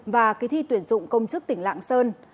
và kỳ thi tuyển dụng công chức tỉnh lạng sơn